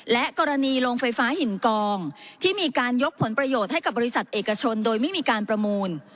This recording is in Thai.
และกรณีโรงไฟฟ้าหินกองที่มีการยกผลประโยชน์ให้กับบริษัทเอกชนโดยไม่มีการประมูล